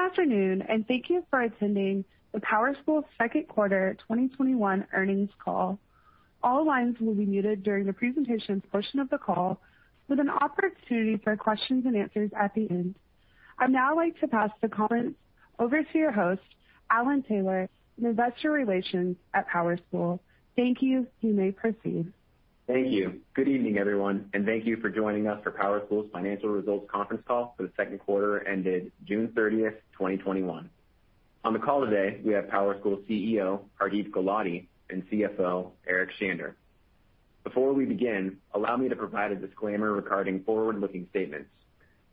Good afternoon, and thank you for attending the PowerSchool second quarter 2021 earnings call. All lines will be muted during the presentations portion of the call, with an opportunity for questions and answers at the end. I'd now like to pass the conference over to your host, Alan Taylor, Investor Relations at PowerSchool. Thank you. You may proceed. Thank you. Good evening, everyone, and thank you for joining us for PowerSchool's financial results conference call for the second quarter ended June 30th, 2021. On the call today, we have PowerSchool CEO Hardeep Gulati, and CFO Eric Shander. Before we begin, allow me to provide a disclaimer regarding forward-looking statements.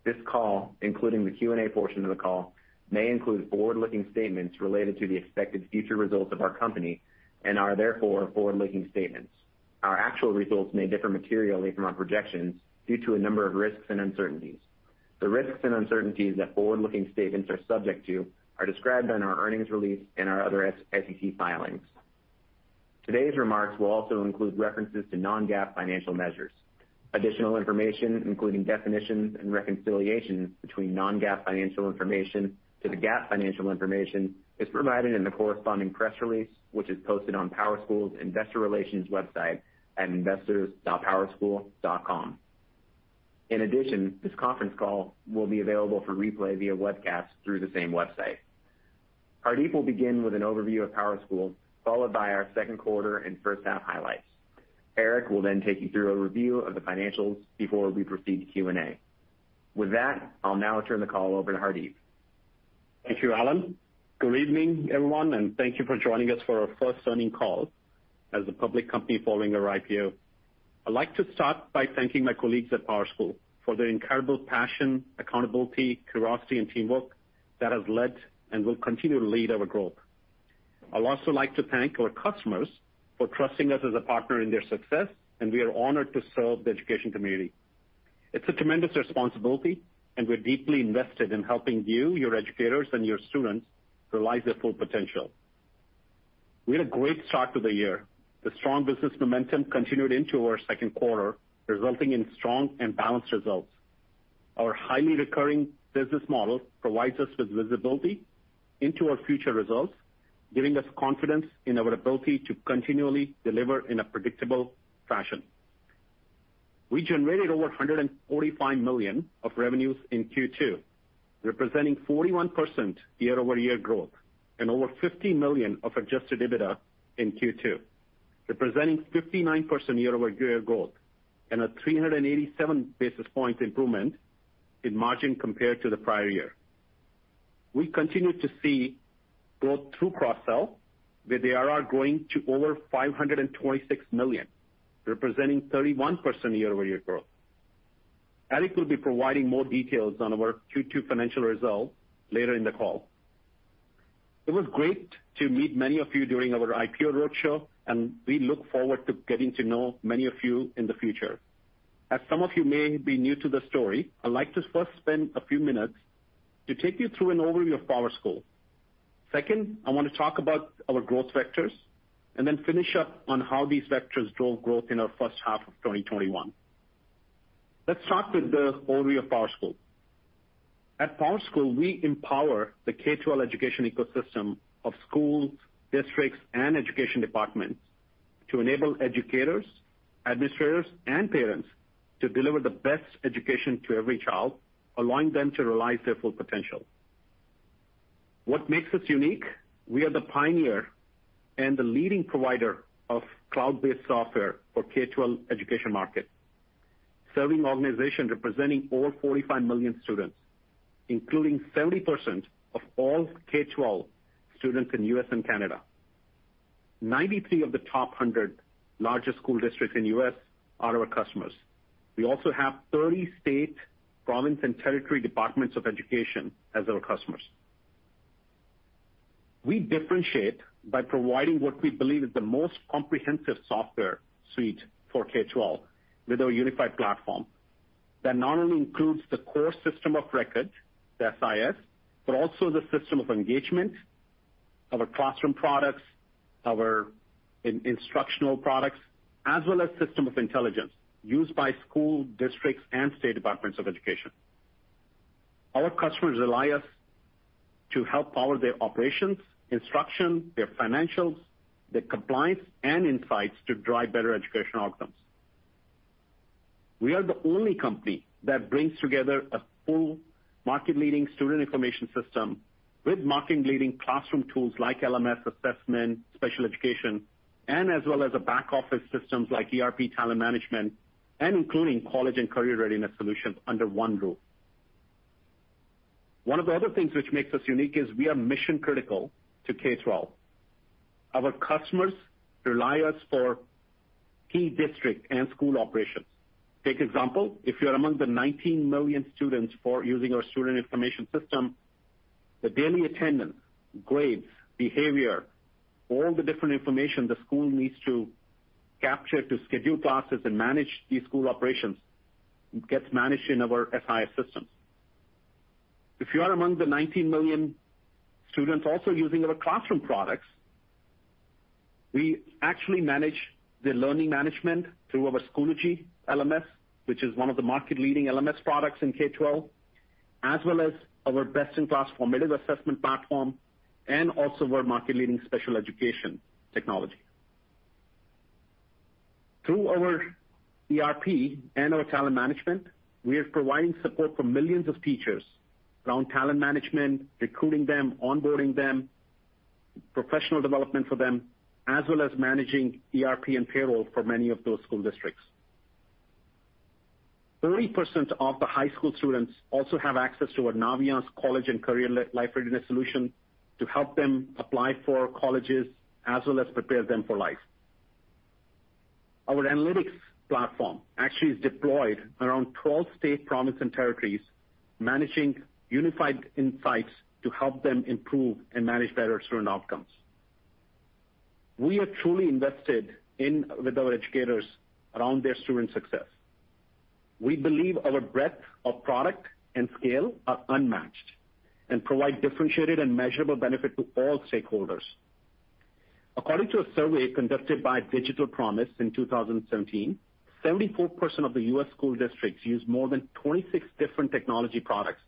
This call, including the Q&A portion of the call, may include forward-looking statements related to the expected future results of our company and are therefore forward-looking statements. Our actual results may differ materially from our projections due to a number of risks and uncertainties. The risks and uncertainties that forward-looking statements are subject to are described in our earnings release and our other SEC filings. Today's remarks will also include references to non-GAAP financial measures. Additional information, including definitions and reconciliations between non-GAAP financial information to the GAAP financial information, is provided in the corresponding press release, which is posted on PowerSchool's investor relations website at investors.powerschool.com. In addition, this conference call will be available for replay via webcast through the same website. Hardeep will begin with an overview of PowerSchool, followed by our second quarter and first half highlights. Eric will then take you through a review of the financials before we proceed to Q&A. With that, I'll now turn the call over to Hardeep. Thank you, Alan. Good evening, everyone, thank you for joining us for our 1st earnings call as a public company following our IPO. I'd like to start by thanking my colleagues at PowerSchool for their incredible passion, accountability, curiosity, and teamwork that has led and will continue to lead our growth. I'd also like to thank our customers for trusting us as a partner in their success, we are honored to serve the education community. It's a tremendous responsibility, we're deeply invested in helping you, your educators, and your students realize their full potential. We had a great start to the year. The strong business momentum continued into our 2nd quarter, resulting in strong and balanced results. Our highly recurring business model provides us with visibility into our future results, giving us confidence in our ability to continually deliver in a predictable fashion. We generated over $145 million of revenues in Q2, representing 41% year-over-year growth, and over $50 million of adjusted EBITDA in Q2, representing 59% year-over-year growth and a 387 basis point improvement in margin compared to the prior year. We continue to see growth through cross-sell, with ARR growing to over $526 million, representing 31% year-over-year growth. Eric will be providing more details on our Q2 financial results later in the call. It was great to meet many of you during our IPO roadshow, and we look forward to getting to know many of you in the future. As some of you may be new to the story, I'd like to first spend a few minutes to take you through an overview of PowerSchool. Second, I want to talk about our growth vectors, and then finish up on how these vectors drove growth in our first half of 2021. Let's start with the overview of PowerSchool. At PowerSchool, we empower the K-12 education ecosystem of schools, districts, and education departments to enable educators, administrators, and parents to deliver the best education to every child, allowing them to realize their full potential. What makes us unique, we are the pioneer and the leading provider of cloud-based software for K-12 education market, serving organizations representing over 45 million students, including 70% of all K-12 students in U.S. and Canada. 93 of the top 100 largest school districts in the U.S. are our customers. We also have 30 state, province, and territory departments of education as our customers. We differentiate by providing what we believe is the most comprehensive software suite for K-12 with our Unified Platform that not only includes the core system of record, the SIS, but also the system of engagement, our classroom products, our instructional products, as well as system of intelligence used by school districts and state departments of education. Our customers rely on us to help power their operations, instruction, their financials, their compliance, and insights to drive better educational outcomes. We are the only company that brings together a full market-leading student information system with market-leading classroom tools like LMS, assessment, Special Programs, and as well as a back office systems like ERP, talent management, and including college and career readiness solutions under one roof. One of the other things which makes us unique is we are mission-critical to K-12. Our customers rely on us for key district and school operations. Take example, if you are among the 19 million students using our student information system, the daily attendance, grades, behavior, all the different information the school needs to capture to schedule classes and manage these school operations gets managed in our SIS systems. If you are among the 19 million students also using our classroom products. We actually manage the learning management through our Schoology LMS, which is one of the market-leading LMS products in K-12, as well as our best-in-class formative assessment platform, and also our market-leading Special Programs. Through our ERP and our talent management, we are providing support for millions of teachers around talent management, recruiting them, onboarding them, professional development for them, as well as managing ERP and payroll for many of those school districts. 30% of the high school students also have access to our Naviance college and career life readiness solution to help them apply for colleges, as well as prepare them for life. Our analytics platform actually is deployed around 12 states, provinces, and territories, managing Unified Insights to help them improve and manage better student outcomes. We are truly invested in with our educators around their student success. We believe our breadth of product and scale are unmatched and provide differentiated and measurable benefit to all stakeholders. According to a survey conducted by Digital Promise in 2017, 74% of the U.S. school districts use more than 26 different technology products,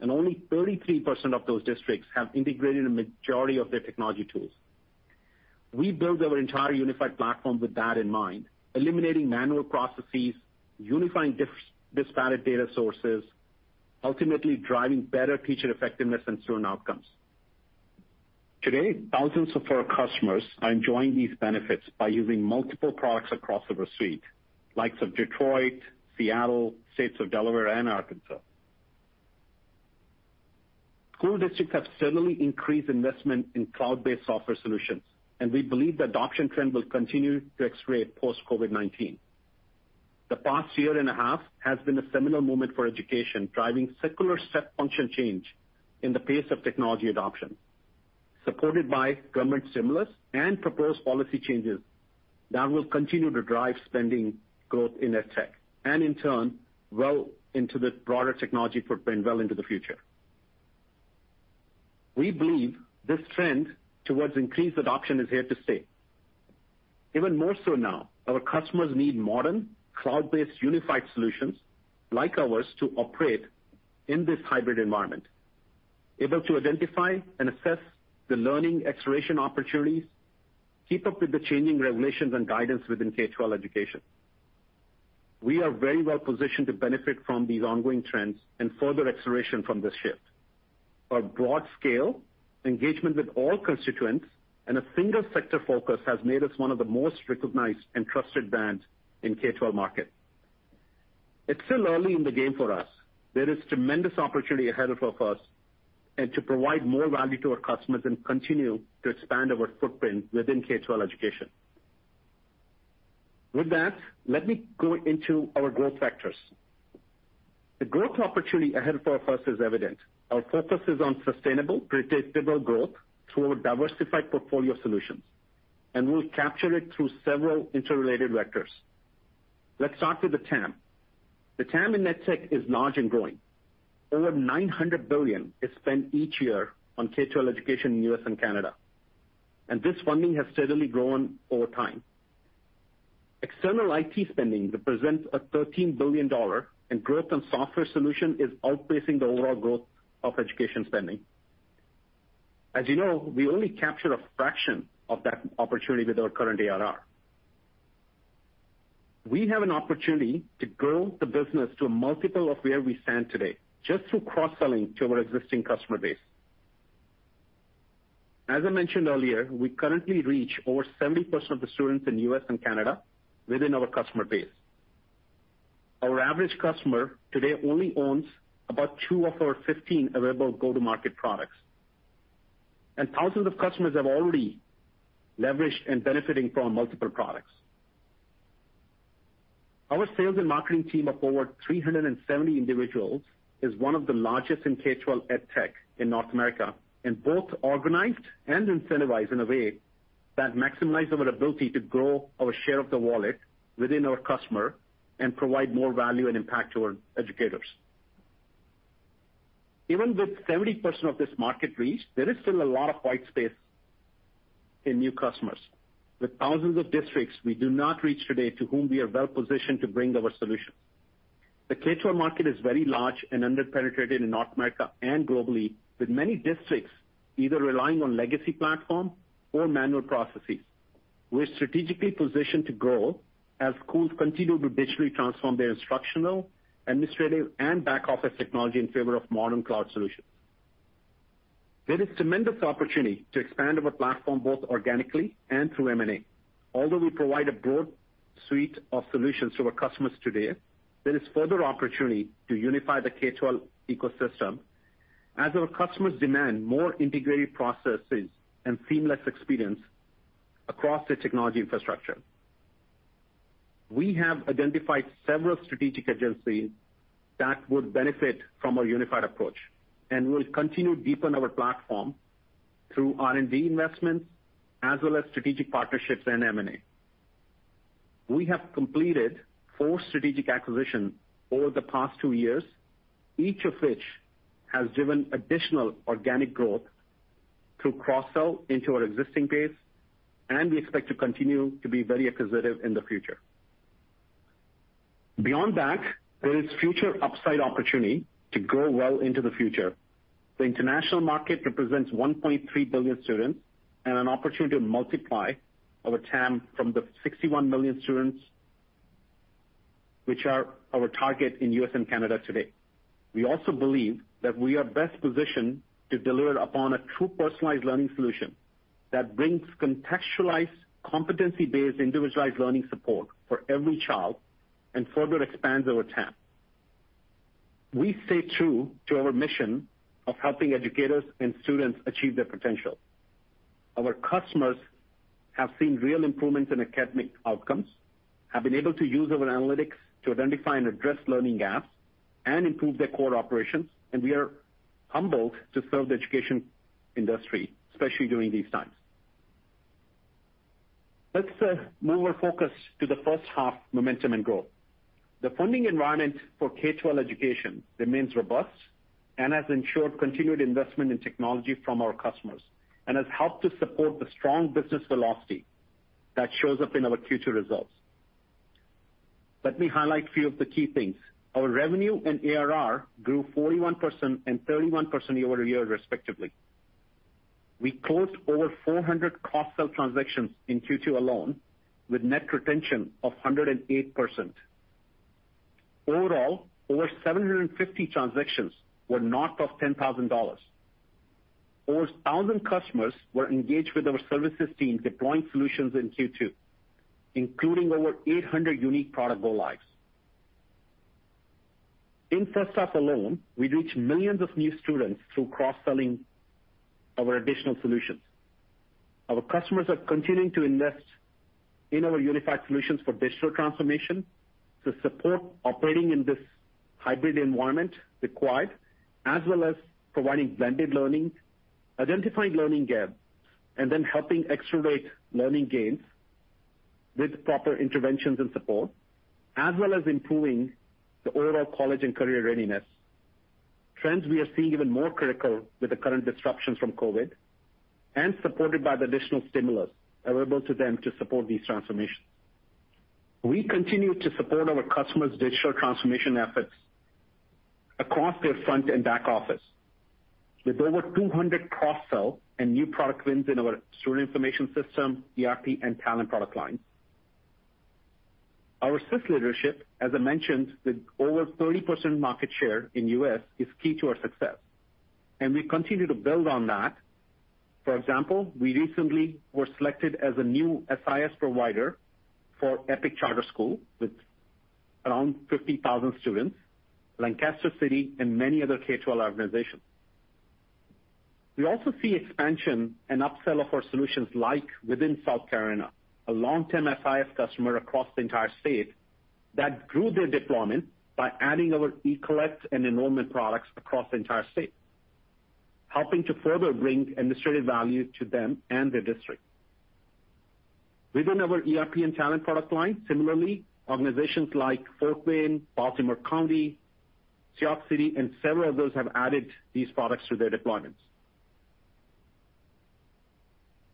and only 33% of those districts have integrated a majority of their technology tools. We built our entire Unified Platform with that in mind, eliminating manual processes, unifying disparate data sources, ultimately driving better teacher effectiveness and student outcomes. Today, thousands of our customers are enjoying these benefits by using multiple products across our suite, likes of Detroit, Seattle, states of Delaware and Arkansas. School districts have steadily increased investment in cloud-based software solutions. We believe the adoption trend will continue to accelerate post-COVID-19. The past year and a half has been a seminal moment for education, driving secular step-function change in the pace of technology adoption, supported by government stimulus and proposed policy changes that will continue to drive spending growth in EdTech, and in turn, well into the broader technology footprint well into the future. We believe this trend towards increased adoption is here to stay. Even more so now, our customers need modern, cloud-based unified solutions like ours to operate in this hybrid environment, able to identify and assess the learning acceleration opportunities, keep up with the changing regulations and guidance within K-12 education. We are very well-positioned to benefit from these ongoing trends and further acceleration from this shift. Our broad scale, engagement with all constituents, and a single sector focus has made us one of the most recognized and trusted brands in K-12 market. It's still early in the game for us. There is tremendous opportunity ahead of us, and to provide more value to our customers and continue to expand our footprint within K-12 education. With that, let me go into our growth factors. The growth opportunity ahead for us is evident. Our focus is on sustainable, predictable growth through our diversified portfolio solutions, and we'll capture it through several interrelated vectors. Let's start with the TAM. The TAM in EdTech is large and growing. Over $900 billion is spent each year on K-12 education in U.S. and Canada. This funding has steadily grown over time. External IT spending represents a $13 billion, and growth on software solution is outpacing the overall growth of education spending. As you know, we only capture a fraction of that opportunity with our current ARR. We have an opportunity to grow the business to a multiple of where we stand today, just through cross-selling to our existing customer base. As I mentioned earlier, we currently reach over 70% of the students in U.S. and Canada within our customer base. Our average customer today only owns about two of our 15 available go-to-market products, and thousands of customers have already leveraged and benefiting from multiple products. Our sales and marketing team of over 370 individuals is one of the largest in K-12 EdTech in North America and both organized and incentivized in a way that maximize our ability to grow our share of the wallet within our customer and provide more value and impact to our educators. Even with 70% of this market reached, there is still a lot of white space in new customers. With thousands of districts we do not reach today to whom we are well-positioned to bring our solutions. The K-12 market is very large and under-penetrated in North America and globally, with many districts either relying on legacy platform or manual processes. We're strategically positioned to grow as schools continue to digitally transform their instructional, administrative, and back office technology in favor of modern cloud solutions. There is tremendous opportunity to expand our platform both organically and through M&A. Although we provide a broad suite of solutions to our customers today, there is further opportunity to unify the K-12 ecosystem as our customers demand more integrated processes and seamless experience across their technology infrastructure. We have identified several strategic areas that would benefit from a unified approach, and we will continue deepen our platform through R&D investments as well as strategic partnerships and M&A. We have completed four strategic acquisitions over the past two years, each of which has driven additional organic growth through cross-sell into our existing base, and we expect to continue to be very acquisitive in the future. Beyond that, there is future upside opportunity to grow well into the future. The international market represents 1.3 billion students and an opportunity to multiply our TAM from the 61 million students, which are our target in U.S. and Canada today. We also believe that we are best positioned to deliver upon a true personalized learning solution that brings contextualized, competency-based, individualized learning support for every child and further expands our TAM. We stay true to our mission of helping educators and students achieve their potential. Our customers have seen real improvements in academic outcomes, have been able to use our analytics to identify and address learning gaps and improve their core operations, and we are humbled to serve the education industry, especially during these times. Let's move our focus to the first half momentum and growth. The funding environment for K-12 education remains robust and has ensured continued investment in technology from our customers and has helped to support the strong business velocity that shows up in our Q2 results. Let me highlight a few of the key things. Our revenue and ARR grew 41% and 31% year-over-year, respectively. We closed over 400 cross-sell transactions in Q2 alone, with net retention of 108%. Overall, over 750 transactions were north of $10,000. Over 1,000 customers were engaged with our services team deploying solutions in Q2, including over 800 unique product go-lives. In first half alone, we reached millions of new students through cross-selling our additional solutions. Our customers are continuing to invest in our unified solutions for digital transformation to support operating in this hybrid environment required, as well as providing blended learning, identifying learning gaps, and then helping accelerate learning gains with proper interventions and support, as well as improving the overall college and career readiness. Trends we are seeing even more critical with the current disruptions from COVID and supported by the additional stimulus available to them to support these transformations. We continue to support our customers' digital transformation efforts across their front and back office. With over 200 cross-sell and new product wins in our student information system, ERP, and Talent product lines. Our SIS leadership, as I mentioned, with over 30% market share in U.S., is key to our success, and we continue to build on that. For example, we recently were selected as a new SIS provider for Epic Charter School with around 50,000 students, Lancaster City, and many other K-12 organizations. We also see expansion and upsell of our solutions like within South Carolina, a long-term SIS customer across the entire state that grew their deployment by adding our Ecollect and enrollment products across the entire state, helping to further bring administrative value to them and their district. Within our ERP and Talent product lines, similarly, organizations like Fort Wayne, Baltimore County, New York City, and several of those have added these products to their deployments.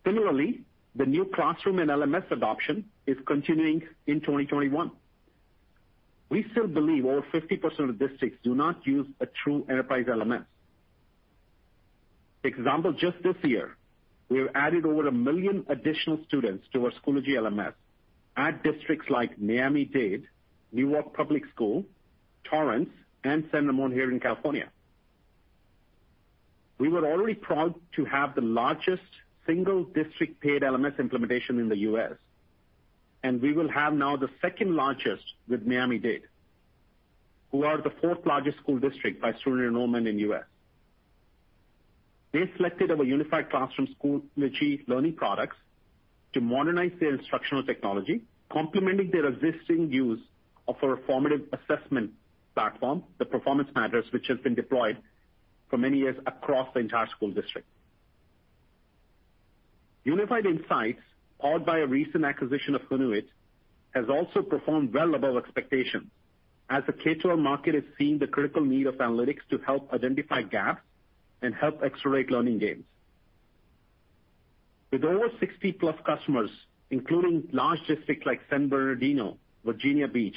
Similarly, the new classroom and LMS adoption is continuing in 2021. We still believe over 50% of districts do not use a true enterprise LMS. Example, just this year, we have added over one million additional students to our Schoology LMS at districts like Miami-Dade, Newark Public Schools, Torrance, and San Ramon here in California. We were already proud to have the largest single district-paid LMS implementation in the U.S., and we will have now the second largest with Miami-Dade, who are the fourth largest school district by student enrollment in the U.S. They selected our Unified Classroom Schoology Learning products to modernize their instructional technology, complementing their existing use of our formative assessment platform, the Performance Matters, which has been deployed for many years across the entire school district. Unified Insights, powered by a recent acquisition of Hoonuit, has also performed well above expectations as the K-12 market is seeing the critical need of analytics to help identify gaps and help accelerate learning gains. With over 60+ customers, including large districts like San Bernardino, Virginia Beach,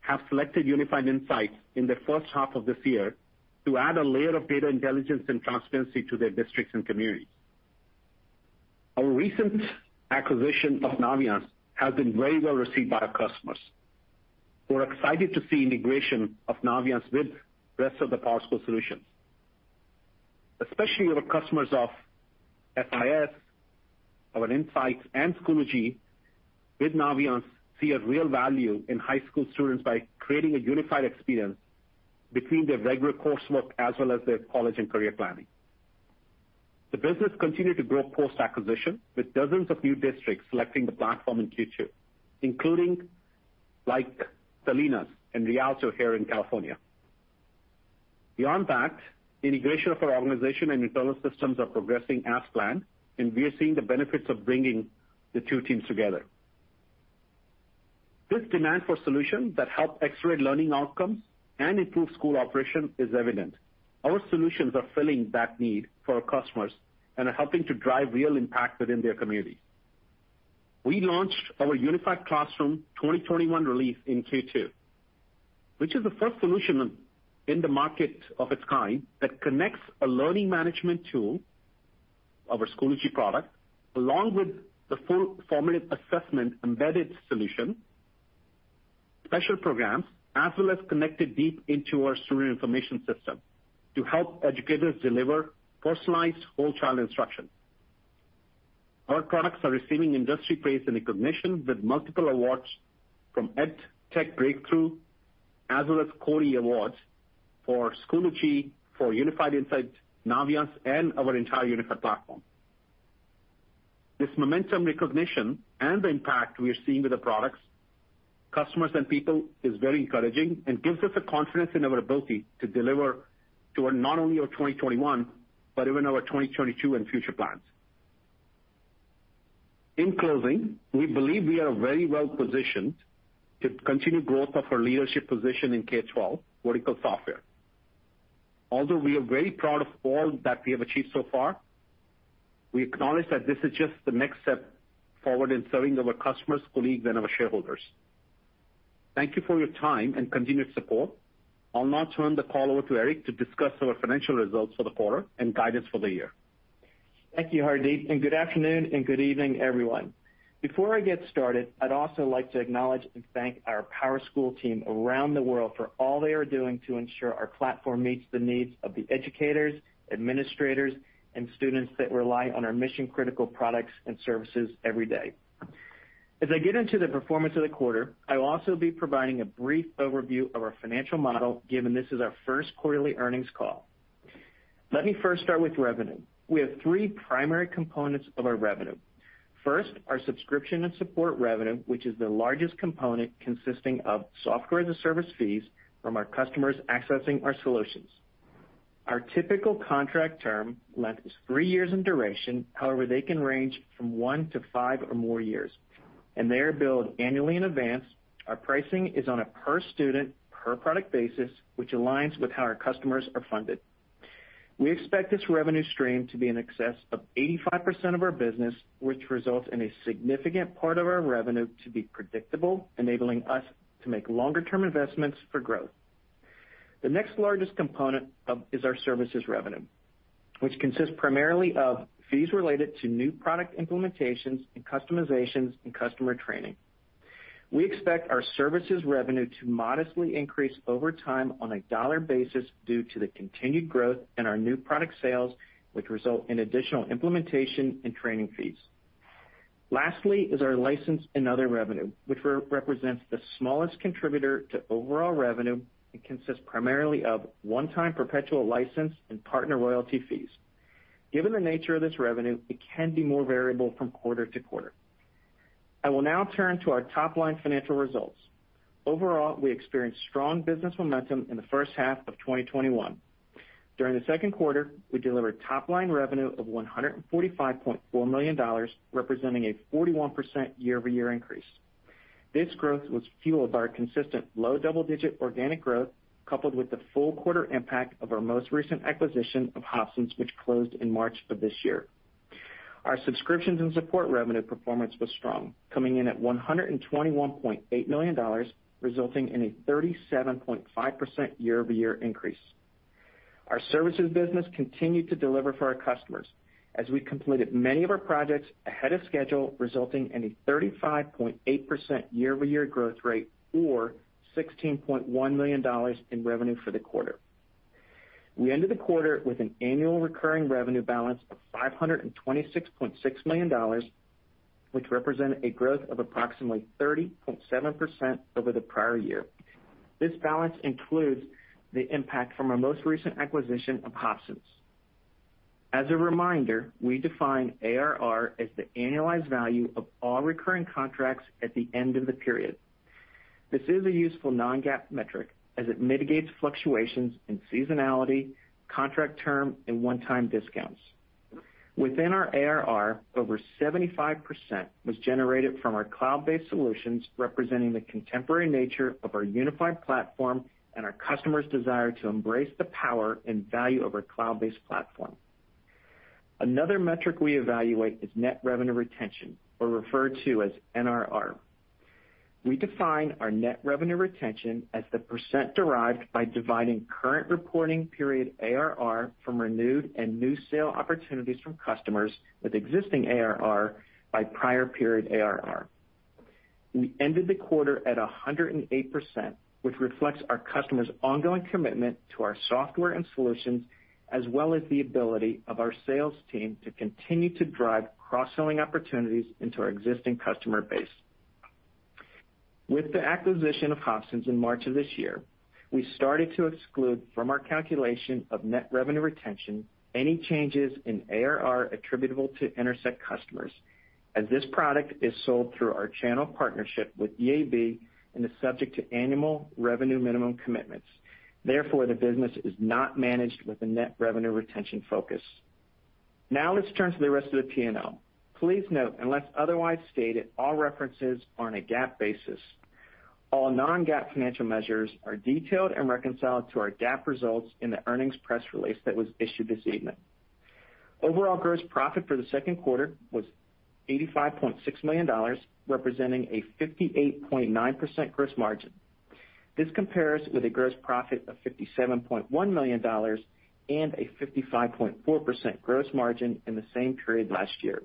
have selected Unified Insights in the first half of this year to add a layer of data intelligence and transparency to their districts and communities. Our recent acquisition of Naviance has been very well received by our customers, who are excited to see integration of Naviance with rest of the PowerSchool solutions. Especially our customers of SIS, our Insights, and Schoology with Naviance see a real value in high school students by creating a unified experience between their regular coursework as well as their college and career planning. The business continued to grow post-acquisition, with dozens of new districts selecting the platform in Q2, including Salinas and Rialto here in California. Beyond that, integration of our organization and internal systems are progressing as planned, and we are seeing the benefits of bringing the two teams together. This demand for solutions that help accelerate learning outcomes and improve school operation is evident. Our solutions are filling that need for our customers and are helping to drive real impact within their community. We launched our Unified Classroom 2021 release in Q2, which is the first solution in the market of its kind that connects a learning management tool, our Schoology product, along with the full formative assessment embedded solution, Special Programs, as well as connected deep into our student information system to help educators deliver personalized whole child instruction. Our products are receiving industry praise and recognition with multiple awards from EdTech Breakthrough, as well as CODiE Awards for Schoology, for Unified Insights, Naviance, and our entire Unified Platform. This momentum recognition and the impact we are seeing with the products, customers, and people is very encouraging and gives us the confidence in our ability to deliver to not only our 2021, but even our 2022 and future plans. In closing, we believe we are very well-positioned to continue growth of our leadership position in K-12 vertical software. Although we are very proud of all that we have achieved so far, we acknowledge that this is just the next step forward in serving our customers, colleagues, and our shareholders. Thank you for your time and continued support. I'll now turn the call over to Eric to discuss our financial results for the quarter and guidance for the year. Thank you, Hardeep. Good afternoon and good evening, everyone. Before I get started, I'd also like to acknowledge and thank our PowerSchool team around the world for all they are doing to ensure our platform meets the needs of the educators, administrators, and students that rely on our mission-critical products and services every day. As I get into the performance of the quarter, I will also be providing a brief overview of our financial model, given this is our first quarterly earnings call. Let me first start with revenue. We have three primary components of our revenue. First, our subscription and support revenue, which is the largest component consisting of software as a service fees from our customers accessing our solutions. Our typical contract term length is three years in duration. However, they can range from one to five or more years, and they are billed annually in advance. Our pricing is on a per student, per product basis, which aligns with how our customers are funded. We expect this revenue stream to be in excess of 85% of our business, which results in a significant part of our revenue to be predictable, enabling us to make longer-term investments for growth. The next largest component is our services revenue, which consists primarily of fees related to new product implementations and customizations and customer training. We expect our services revenue to modestly increase over time on a dollar basis due to the continued growth in our new product sales, which result in additional implementation and training fees. Lastly is our license and other revenue, which represents the smallest contributor to overall revenue and consists primarily of one-time perpetual license and partner royalty fees. Given the nature of this revenue, it can be more variable from quarter to quarter. I will now turn to our top-line financial results. Overall, we experienced strong business momentum in the first half of 2021. During the second quarter, we delivered top-line revenue of $145.4 million, representing a 41% year-over-year increase. This growth was fueled by our consistent low double-digit organic growth, coupled with the full quarter impact of our most recent acquisition of Hobsons, which closed in March of this year. Our subscriptions and support revenue performance was strong, coming in at $121.8 million, resulting in a 37.5% year-over-year increase. Our services business continued to deliver for our customers as we completed many of our projects ahead of schedule, resulting in a 35.8% year-over-year growth rate or $16.1 million in revenue for the quarter. We ended the quarter with an annual recurring revenue balance of $526.6 million, which represented a growth of approximately 30.7% over the prior year. This balance includes the impact from our most recent acquisition of Hobsons. As a reminder, we define ARR as the annualized value of all recurring contracts at the end of the period. This is a useful non-GAAP metric as it mitigates fluctuations in seasonality, contract term, and one-time discounts. Within our ARR, over 75% was generated from our cloud-based solutions, representing the contemporary nature of our Unified Platform and our customers' desire to embrace the power and value of our cloud-based platform. Another metric we evaluate is net revenue retention or referred to as NRR. We define our net revenue retention as the percent derived by dividing current reporting period ARR from renewed and new sale opportunities from customers with existing ARR by prior period ARR. We ended the quarter at 108%, which reflects our customers' ongoing commitment to our software and solutions, as well as the ability of our sales team to continue to drive cross-selling opportunities into our existing customer base. With the acquisition of Hobsons in March of this year, we started to exclude from our calculation of net revenue retention any changes in ARR attributable to Intersect customers, as this product is sold through our channel partnership with EAB and is subject to annual revenue minimum commitments. The business is not managed with a net revenue retention focus. Let's turn to the rest of the P&L. Please note, unless otherwise stated, all references are on a GAAP basis. All non-GAAP financial measures are detailed and reconciled to our GAAP results in the earnings press release that was issued this evening. Overall gross profit for the second quarter was $85.6 million, representing a 58.9% gross margin. This compares with a gross profit of $57.1 million and a 55.4% gross margin in the same period last year.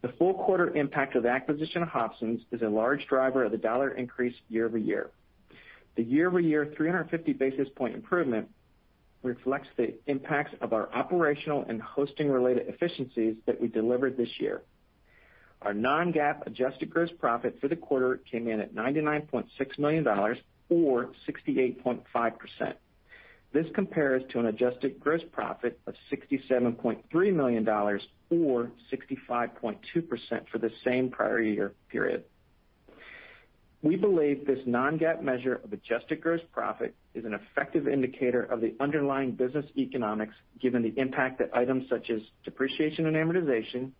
The full quarter impact of the acquisition of Hobsons is a large driver of the dollar increase year-over-year. The year-over-year 350 basis point improvement reflects the impacts of our operational and hosting related efficiencies that we delivered this year. Our non-GAAP adjusted gross profit for the quarter came in at $99.6 million, or 68.5%. This compares to an adjusted gross profit of $67.3 million or 65.2% for the same prior year period. We believe this non-GAAP measure of adjusted gross profit is an effective indicator of the underlying business economics given the impact that items such as depreciation and amortization,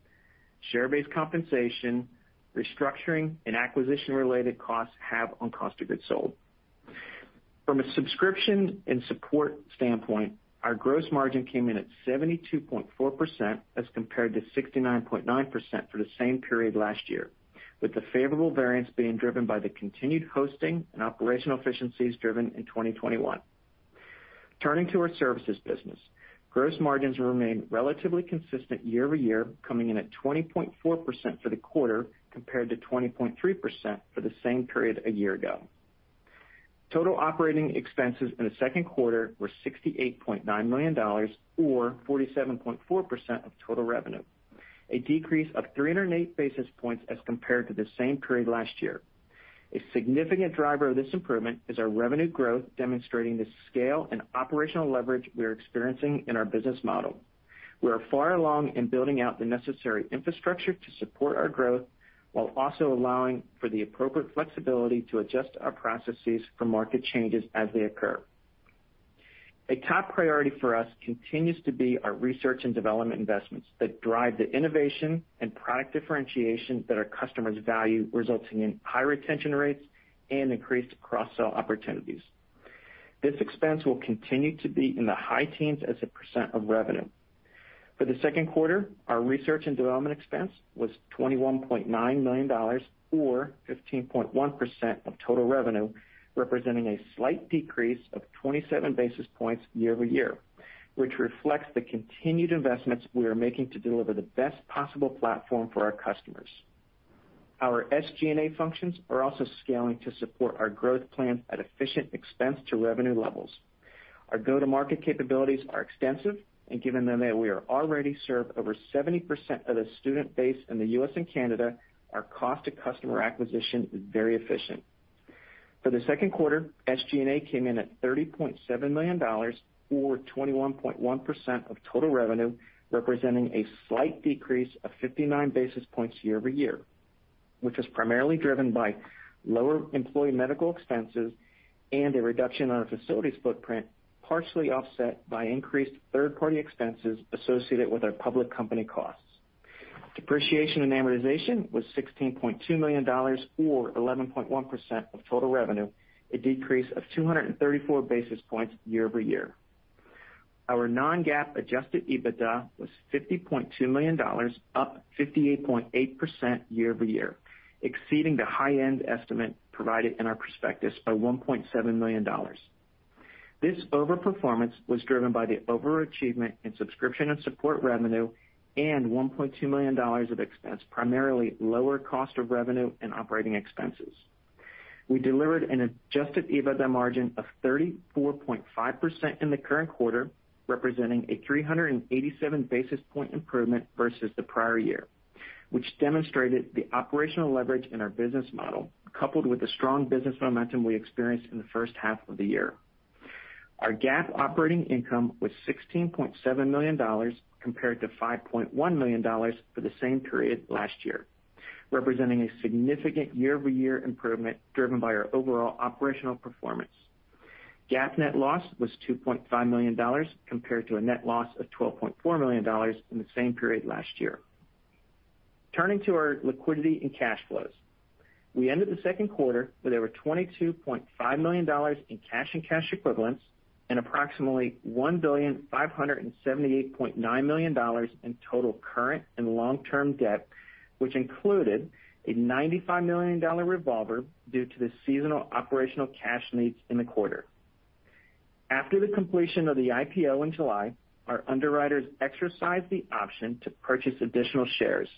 share-based compensation, restructuring and acquisition related costs have on cost of goods sold. From a subscription and support standpoint, our gross margin came in at 72.4% as compared to 69.9% for the same period last year, with the favorable variance being driven by the continued hosting and operational efficiencies driven in 2021. Turning to our services business. Gross margins remain relatively consistent year-over-year, coming in at 20.4% for the quarter compared to 20.3% for the same period a year ago. Total operating expenses in the second quarter were $68.9 million, or 47.4% of total revenue, a decrease of 308 basis points as compared to the same period last year. A significant driver of this improvement is our revenue growth, demonstrating the scale and operational leverage we are experiencing in our business model. We are far along in building out the necessary infrastructure to support our growth, while also allowing for the appropriate flexibility to adjust our processes for market changes as they occur. A top priority for us continues to be our research and development investments that drive the innovation and product differentiation that our customers value, resulting in high retention rates and increased cross-sell opportunities. This expense will continue to be in the high teens as a % of revenue. For the second quarter, our research and development expense was $21.9 million, or 15.1% of total revenue, representing a slight decrease of 27 basis points year-over-year, which reflects the continued investments we are making to deliver the best possible platform for our customers. Our SG&A functions are also scaling to support our growth plans at efficient expense to revenue levels. Our go-to-market capabilities are extensive, and given that we already serve over 70% of the student base in the U.S. and Canada, our cost to customer acquisition is very efficient. For the second quarter, SG&A came in at $30.7 million, or 21.1% of total revenue, representing a slight decrease of 59 basis points year-over-year, which was primarily driven by lower employee medical expenses and a reduction on our facilities footprint, partially offset by increased third-party expenses associated with our public company costs. Depreciation and amortization was $16.2 million, or 11.1% of total revenue, a decrease of 234 basis points year-over-year. Our non-GAAP adjusted EBITDA was $50.2 million, up 58.8% year-over-year, exceeding the high-end estimate provided in our prospectus by $1.7 million. This over-performance was driven by the overachievement in subscription and support revenue and $1.2 million of expense, primarily lower cost of revenue and operating expenses. We delivered an adjusted EBITDA margin of 34.5% in the current quarter, representing a 387 basis point improvement versus the prior year, which demonstrated the operational leverage in our business model, coupled with the strong business momentum we experienced in the first half of the year. Our GAAP operating income was $16.7 million compared to $5.1 million for the same period last year, representing a significant year-over-year improvement driven by our overall operational performance. GAAP net loss was $2.5 million compared to a net loss of $12.4 million in the same period last year. Turning to our liquidity and cash flows. We ended the second quarter with over $22.5 million in cash and cash equivalents and approximately $1,578,900,000 in total current and long-term debt, which included a $95 million revolver due to the seasonal operational cash needs in the quarter. After the completion of the IPO in July, our underwriters exercised the option to purchase additional shares.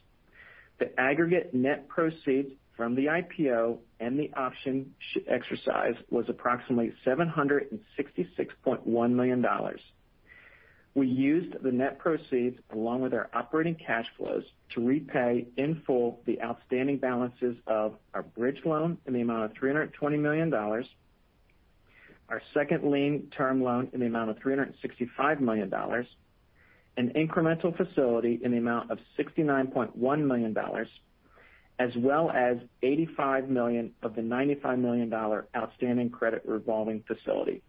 The aggregate net proceeds from the IPO and the option exercise was approximately $766.1 million. We used the net proceeds along with our operating cash flows to repay in full the outstanding balances of our bridge loan in the amount of $320 million, our second lien term loan in the amount of $365 million, an incremental facility in the amount of $69.1 million, as well as $85 million of the $95 million outstanding credit revolving facility.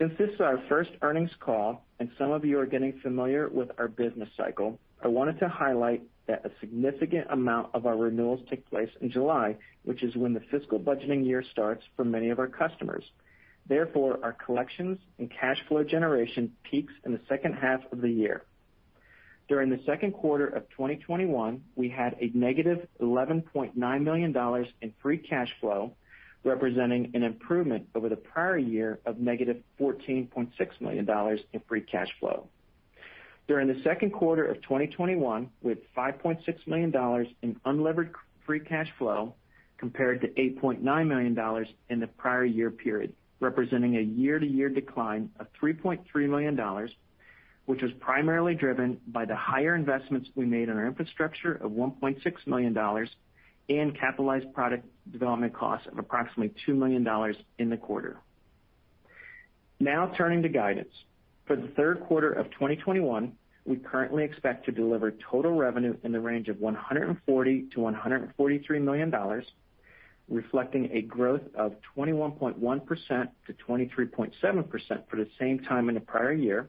Since this is our first earnings call and some of you are getting familiar with our business cycle, I wanted to highlight that a significant amount of our renewals take place in July, which is when the fiscal budgeting year starts for many of our customers. Therefore, our collections and cash flow generation peaks in the second half of the year. During the second quarter of 2021, we had a negative $11.9 million in free cash flow, representing an improvement over the prior year of negative $14.6 million in free cash flow. During the second quarter of 2021, we had $5.6 million in unlevered free cash flow compared to $8.9 million in the prior year period, representing a year-to-year decline of $3.3 million, which was primarily driven by the higher investments we made in our infrastructure of $1.6 million and capitalized product development costs of approximately $2 million in the quarter. Now turning to guidance. For the third quarter of 2021, we currently expect to deliver total revenue in the range of $140 million-$143 million, reflecting a growth of 21.1%-23.7% for the same time in the prior year.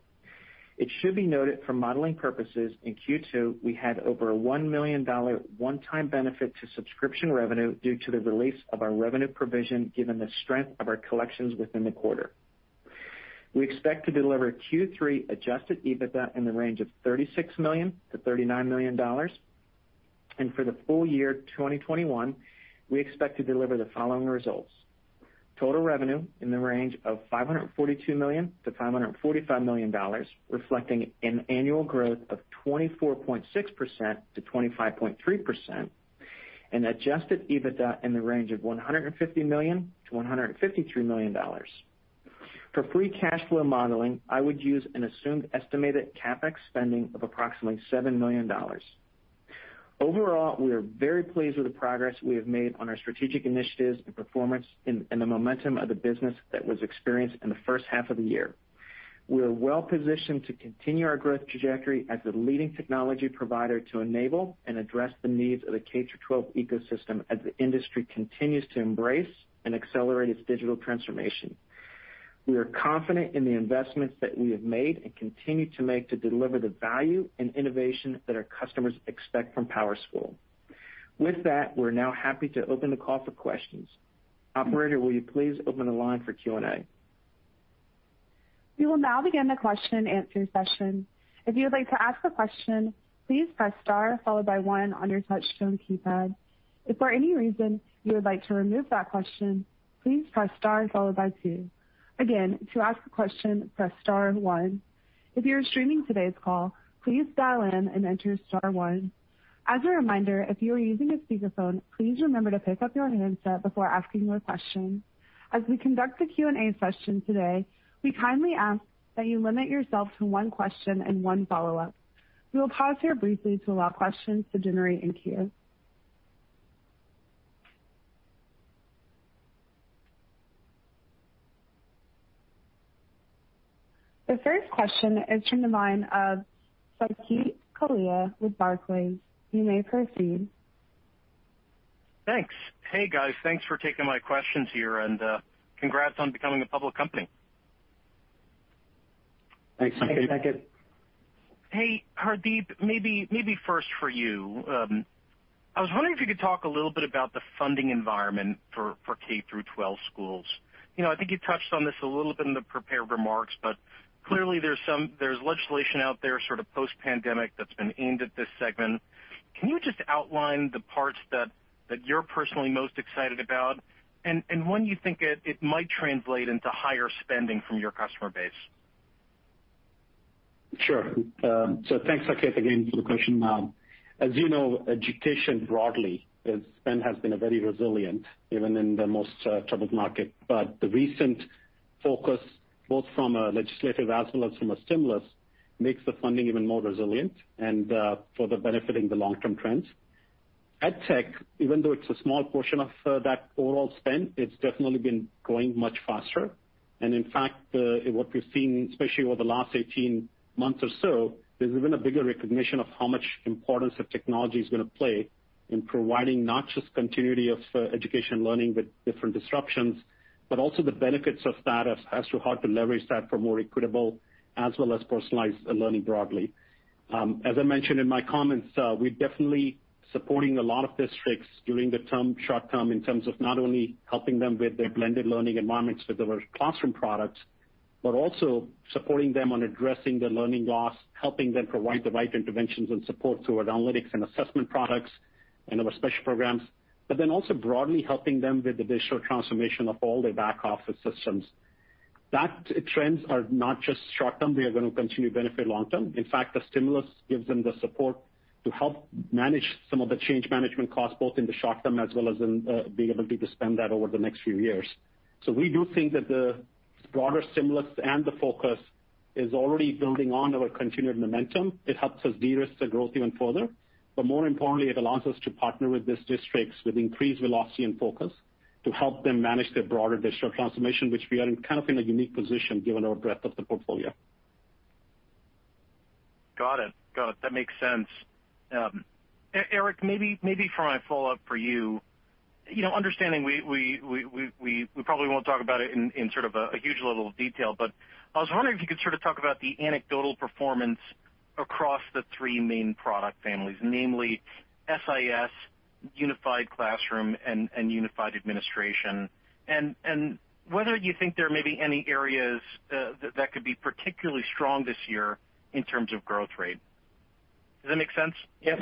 It should be noted for modeling purposes in Q2, we had over a $1 million one-time benefit to subscription revenue due to the release of our revenue provision, given the strength of our collections within the quarter. We expect to deliver Q3 adjusted EBITDA in the range of $36 million-$39 million. For the full year 2021, we expect to deliver the following results: total revenue in the range of $542 million to $545 million, reflecting an annual growth of 24.6%-25.3%, and adjusted EBITDA in the range of $150 million to $153 million. For free cash flow modeling, I would use an assumed estimated CapEx spending of approximately $7 million. Overall, we are very pleased with the progress we have made on our strategic initiatives and performance and the momentum of the business that was experienced in the first half of the year. We are well-positioned to continue our growth trajectory as the leading technology provider to enable and address the needs of the K-12 ecosystem as the industry continues to embrace and accelerate its digital transformation. We are confident in the investments that we have made and continue to make to deliver the value and innovation that our customers expect from PowerSchool. With that, we're now happy to open the call for questions. Operator, will you please open the line for Q&A. We will now begin the question and answer session. If you would like to ask a question, please press star followed by one on your touchtone keypad. If for any reason you would like to remove that question, please press star followed by two. Again, to ask a question, press star one. If you are streaming today's call, please dial in and enter star one. As a reminder, if you are using a speakerphone, please remember to pick up your handset before asking your question. As we conduct the Q&A session today, we kindly ask that you limit yourself to one question and one follow-up. We will pause here briefly to allow questions to generate in queue. The first question is from the line of Saket Kalia with Barclays. You may proceed. Thanks. Hey, guys. Thanks for taking my questions here, and congrats on becoming a public company. Thanks, Saket. Thanks, Saket. Hey, Hardeep, maybe first for you. I was wondering if you could talk a little bit about the funding environment for K-12 schools. I think you touched on this a little bit in the prepared remarks. Clearly there's legislation out there sort of post-pandemic that's been aimed at this segment. Can you just outline the parts that you're personally most excited about and when you think it might translate into higher spending from your customer base? Sure. Thanks, Saket, again, for the question. As you know, education broadly has been a very resilient, even in the most troubled market. The recent focus, both from a legislative as well as from a stimulus, makes the funding even more resilient and further benefiting the long-term trends. EdTech, even though it's a small portion of that overall spend, it's definitely been growing much faster. In fact, what we've seen, especially over the last 18 months or so, there's been a bigger recognition of how much importance that technology is going to play in providing not just continuity of education learning with different disruptions, but also the benefits of that as to how to leverage that for more equitable as well as personalized learning broadly. As I mentioned in my comments, we're definitely supporting a lot of districts during the short term in terms of not only helping them with their blended learning environments with our classroom products, but also supporting them on addressing their learning loss, helping them provide the right interventions and support through our analytics and assessment products and our Special Programs, also broadly helping them with the digital transformation of all their back office systems. Trends are not just short term. They are going to continue to benefit long term. In fact, the stimulus gives them the support to help manage some of the change management costs, both in the short term as well as in being able to spend that over the next few years. We do think that the broader stimulus and the focus is already building on our continued momentum. It helps us de-risk the growth even further, but more importantly, it allows us to partner with these districts with increased velocity and focus to help them manage their broader digital transformation, which we are in kind of in a unique position given our breadth of the portfolio. Got it. That makes sense. Eric, maybe for my follow-up for you, understanding we probably won't talk about it in a huge level of detail, but I was wondering if you could talk about the anecdotal performance across the three main product families, namely SIS, Unified Classroom, and Unified Administration, and whether you think there may be any areas that could be particularly strong this year in terms of growth rate. Does that make sense? Yep.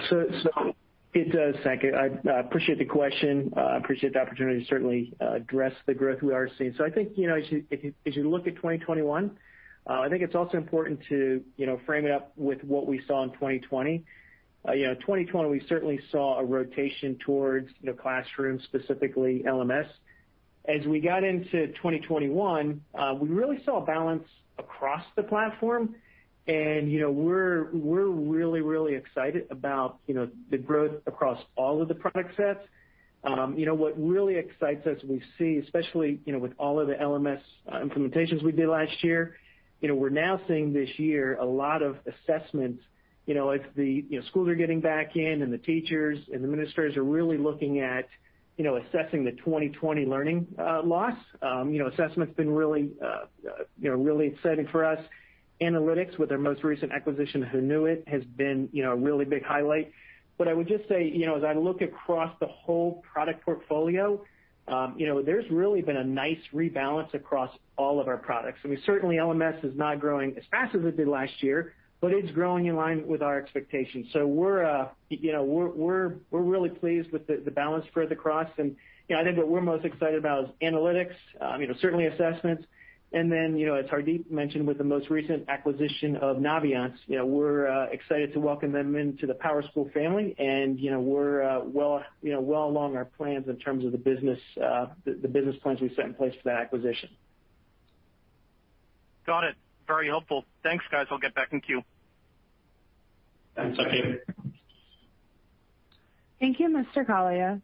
it does, Saket. I appreciate the question. I appreciate the opportunity to certainly address the growth we are seeing. I think, as you look at 2021, I think it's also important to frame it up with what we saw in 2020. 2020, we certainly saw a rotation towards classrooms, specifically LMS. As we got into 2021, we really saw a balance across the platform. We're really excited about the growth across all of the product sets. What really excites us, we see, especially with all of the LMS implementations we did last year, we're now seeing this year a lot of assessment as the schools are getting back in and the teachers and the administrators are really looking at assessing the 2020 learning loss. Assessment's been really exciting for us. Analytics with our most recent acquisition, Hoonuit, has been a really big highlight. I would just say, as I look across the whole product portfolio, there's really been a nice rebalance across all of our products. I mean, certainly LMS is not growing as fast as it did last year, but it's growing in line with our expectations. We're really pleased with the balance spread across, and I think what we're most excited about is analytics, certainly assessments. As Hardeep mentioned with the most recent acquisition of Naviance, we're excited to welcome them into the PowerSchool family, and we're well along our plans in terms of the business plans we've set in place for that acquisition. Got it. Very helpful. Thanks, guys. I'll get back in queue. Thanks, Saket. Thank you, Mr. Kalia.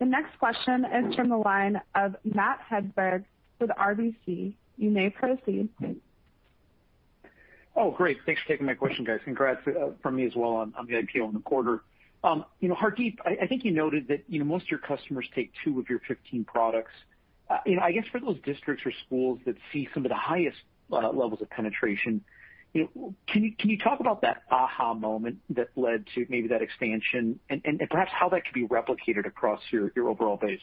The next question is from the line of Matt Hedberg with RBC. You may proceed. Oh, great. Thanks for taking my question, guys. Congrats from me as well on the IPO and the quarter. Hardeep, I think you noted that most of your customers take two of your 15 products. I guess for those districts or schools that see some of the highest levels of penetration, can you talk about that aha moment that led to maybe that expansion, and perhaps how that could be replicated across your overall base?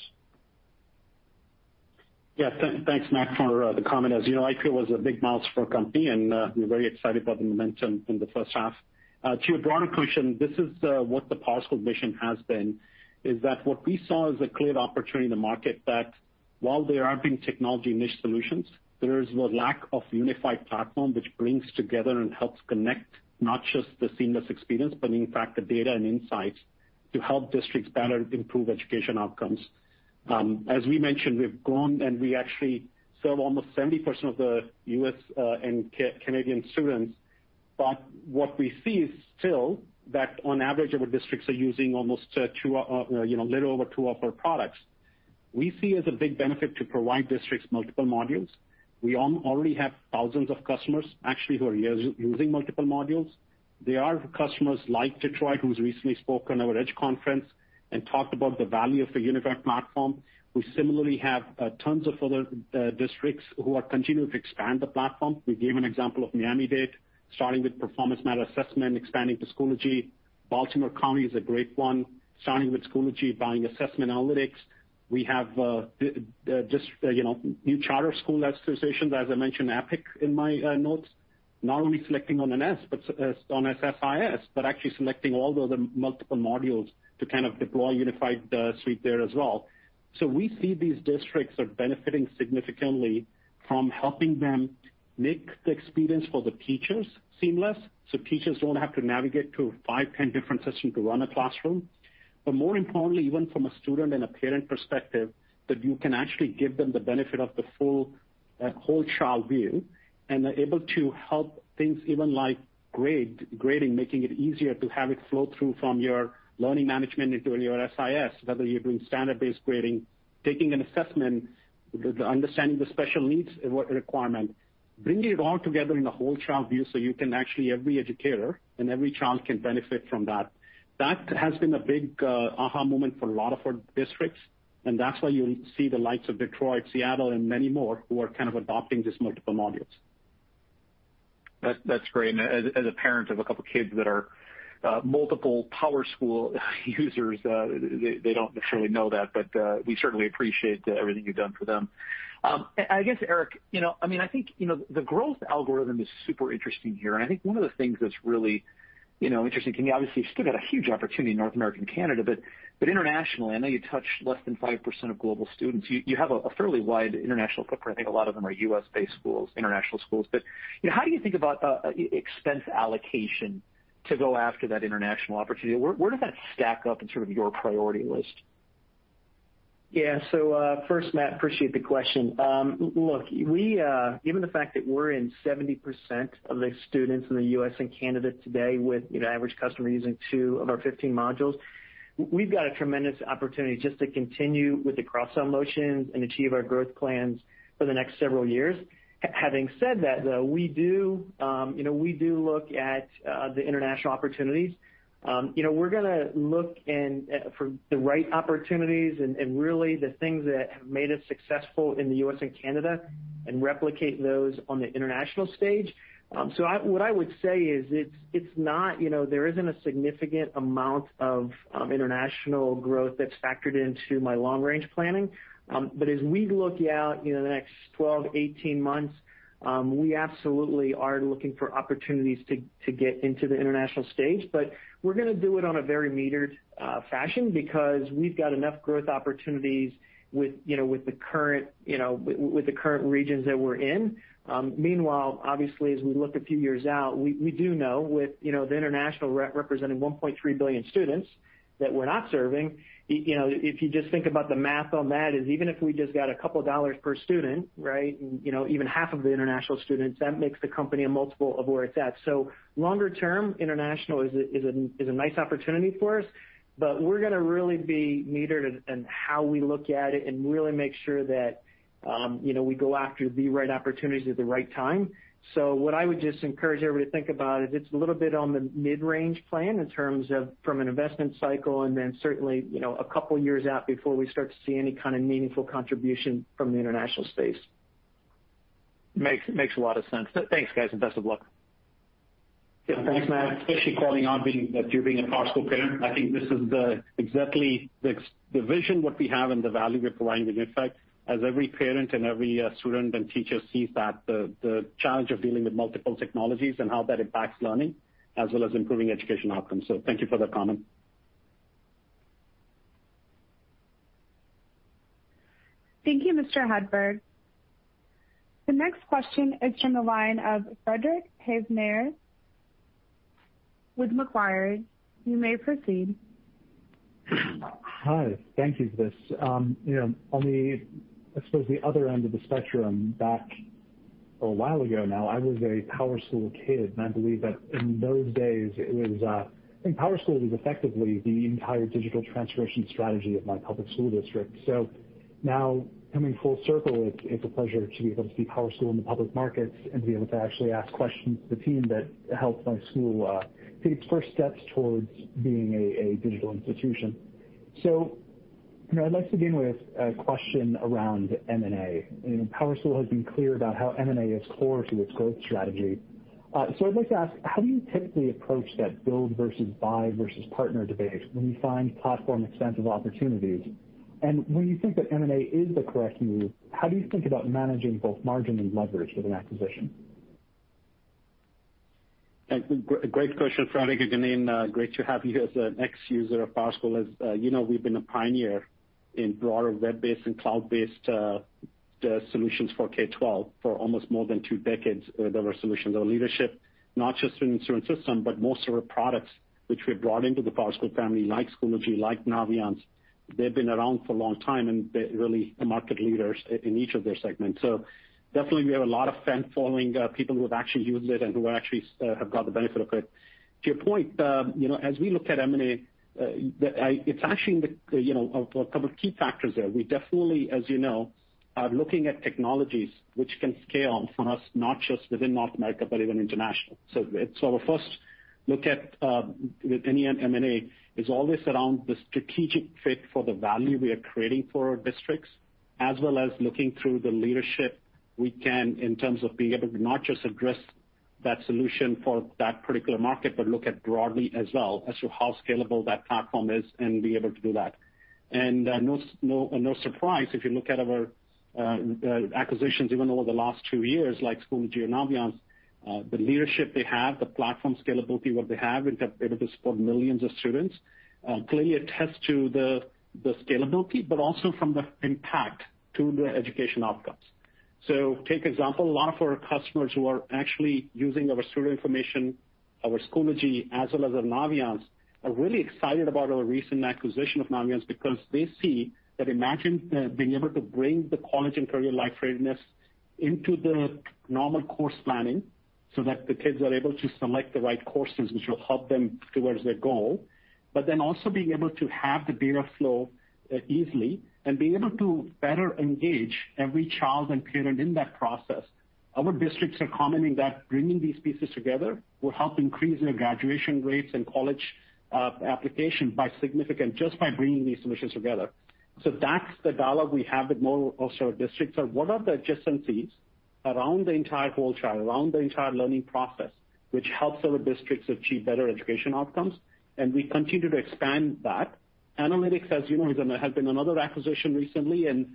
Thanks, Matt, for the comment. As you know, IPO was a big milestone for our company, and we're very excited about the momentum in the first half. To your broader question, this is what the PowerSchool mission has been, is that what we saw is a clear opportunity in the market that while there are big technology niche solutions, there is a lack of Unified Platform which brings together and helps connect not just the seamless experience, but in fact the data and insights to help districts better improve education outcomes. As we mentioned, we've grown, and we actually serve almost 70% of the U.S. and Canadian students. What we see is still that on average, our districts are using a little over two of our products. We see as a big benefit to provide districts multiple modules. We already have thousands of customers actually who are using multiple modules. They are customers like Detroit, who's recently spoken on our EDGE conference and talked about the value of the Unified Platform. We similarly have tons of other districts who are continuing to expand the platform. We gave an example of Miami-Dade starting with Performance Matters Assessment, expanding to Schoology. Baltimore County is a great one, starting with Schoology, buying assessment analytics. We have new charter school associations, as I mentioned Epic in my notes, not only selecting SIS, but actually selecting all of the multiple modules to deploy unified suite there as well. We see these districts are benefiting significantly from helping them make the experience for the teachers seamless so teachers don't have to navigate to five, 10 different systems to run a classroom. More importantly, even from a student and a parent perspective, that you can actually give them the benefit of the full whole child view and are able to help things even like grading, making it easier to have it flow through from your learning management into your SIS, whether you're doing standard-based grading, taking an assessment, understanding the special needs requirement, bringing it all together in the whole child view so every educator and every child can benefit from that. That has been a big aha moment for a lot of our districts, and that's why you see the likes of Detroit, Seattle, and many more who are kind of adopting these multiple modules. That's great. As a parent of a couple kids that are multiple PowerSchool users, they don't necessarily know that, but we certainly appreciate everything you've done for them. Eric, I think the growth algorithm is super interesting here. I think one of the things that's really interesting to me, obviously you've still got a huge opportunity in North America and Canada, but internationally, I know you touch less than 5% of global students. You have a fairly wide international footprint. I think a lot of them are U.S.-based schools, international schools. How do you think about expense allocation to go after that international opportunity? Where does that stack up in your priority list? Yeah. First, Matt, appreciate the question. Look, given the fact that we're in 70% of the students in the U.S. and Canada today with an average customer using 2 of our 15 modules, we've got a tremendous opportunity just to continue with the cross-sell motions and achieve our growth plans for the next several years. Having said that, though, we do look at the international opportunities. We're going to look for the right opportunities and really the things that have made us successful in the U.S. and Canada and replicate those on the international stage. What I would say is, there isn't a significant amount of international growth that's factored into my long-range planning. As we look out the next 12-18 months, we absolutely are looking for opportunities to get into the international stage. We're going to do it on a very metered fashion because we've got enough growth opportunities with the current regions that we're in. Meanwhile, obviously, as we look a few years out, we do know with the international representing 1.3 billion students that we're not serving, if you just think about the math on that, is even if we just got $2 per student, right, even half of the international students, that makes the company a multiple of where it's at. Longer term international is a nice opportunity for us, but we're going to really be metered in how we look at it and really make sure that we go after the right opportunities at the right time. What I would just encourage everybody to think about is it's a little bit on the mid-range plan in terms of from an investment cycle and then certainly, a couple of years out before we start to see any kind of meaningful contribution from the international space. Makes a lot of sense. Thanks, guys, and best of luck. Yeah. Thanks, Matt, especially calling out you being a PowerSchool parent. I think this is exactly the vision, what we have and the value we're providing. In effect, every parent and every student and teacher sees that the challenge of dealing with multiple technologies and how that impacts learning as well as improving education outcomes. Thank you for that comment. Thank you, Mr. Hedberg. The next question is from the line of Fred Havemeyer with Macquarie. You may proceed. Hi. Thank you for this. On the, I suppose, the other end of the spectrum, back a while ago now, I was a PowerSchool kid, and I believe that in those days, I think PowerSchool was effectively the entire digital transformation strategy of my public school district. Now coming full circle, it's a pleasure to be able to see PowerSchool in the public markets and to be able to actually ask questions to the team that helped my school take first steps towards being a digital institution. I'd like to begin with a question around M&A. PowerSchool has been clear about how M&A is core to its growth strategy. I'd like to ask, how do you typically approach that build versus buy versus partner debate when you find platform-extensive opportunities? When you think that M&A is the correct move, how do you think about managing both margin and leverage with an acquisition? Great question, Fred, and again, great to have you as an ex-user of PowerSchool. As you know, we've been a pioneer in broader web-based and cloud-based solutions for K-12 for almost more than two decades with our solutions. Our leadership, not just in student system, but most of our products, which we've brought into the PowerSchool family, like Schoology, like Naviance, they've been around for a long time, and they're really market leaders in each of their segments. Definitely, we have a lot of fan following, people who have actually used it and who actually have got the benefit of it. To your point, as we look at M&A, it's actually a couple of key factors there. We definitely, as you know, are looking at technologies which can scale for us, not just within North America, but even international. Our first look at any M&A is always around the strategic fit for the value we are creating for our districts, as well as looking through the leadership we can in terms of being able to not just address that solution for that particular market, but look at broadly as well as to how scalable that platform is and be able to do that. No surprise, if you look at our acquisitions, even over the last two years, like Schoology and Naviance, the leadership they have, the platform scalability, what they have in terms of being able to support millions of students clearly attests to the scalability, but also from the impact to the education outcomes. Take example, a lot of our customers who are actually using our student information, our Schoology as well as our Naviance, are really excited about our recent acquisition of Naviance because they see that imagine being able to bring the college and career life readiness into the normal course planning so that the kids are able to select the right courses which will help them towards their goal. Also being able to have the data flow easily and being able to better engage every child and parent in that process. Our districts are commenting that bringing these pieces together will help increase their graduation rates and college application by significant, just by bringing these solutions together. That's the dialogue we have with most of our districts, are what are the adjacencies around the entire whole child, around the entire learning process, which helps our districts achieve better education outcomes, and we continue to expand that. Analytics, as you know, has been another acquisition recently, and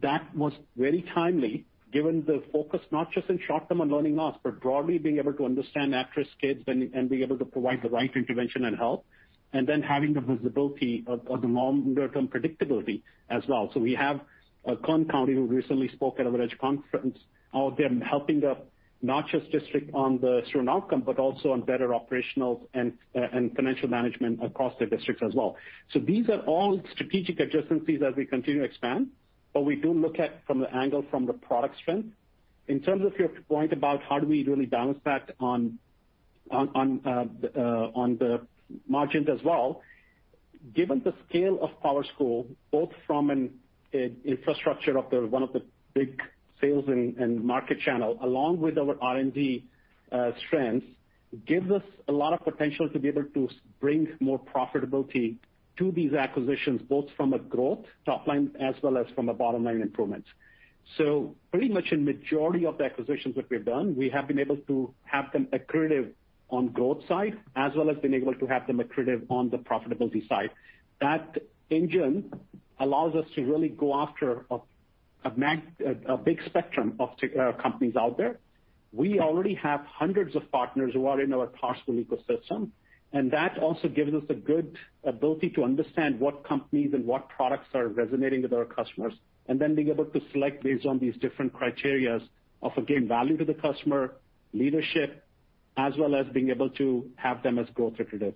that was very timely given the focus, not just in short term on learning loss, but broadly being able to understand at-risk kids and being able to provide the right intervention and help, and then having the visibility of the longer term predictability as well. We have Kern County, who recently spoke at our EDGE conference, how they're helping the not just district on the student outcome, but also on better operational and financial management across the districts as well. These are all strategic adjacencies as we continue to expand, but we do look at from the angle from the product strength. In terms of your point about how do we really down spec on the margins as well, given the scale of PowerSchool, both from an infrastructure of one of the big sales and marketing channel, along with our R&D strengths, gives us a lot of potential to be able to bring more profitability to these acquisitions, both from a growth top line as well as from a bottom-line improvement. Pretty much in majority of the acquisitions that we've done, we have been able to have them accretive on growth side as well as been able to have them accretive on the profitability side. That engine allows us to really go after a big spectrum of companies out there. We already have hundreds of partners who are in our PowerSchool ecosystem, and that also gives us a good ability to understand what companies and what products are resonating with our customers, and then being able to select based on these different criteria of, again, value to the customer, leadership, as well as being able to have them as growth accretive.